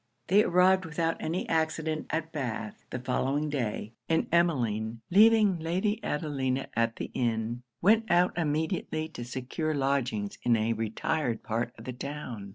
They arrived without any accident at Bath, the following day; and Emmeline, leaving Lady Adelina at the inn, went out immediately to secure lodgings in a retired part of the town.